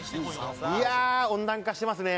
いやあ温暖化してますね。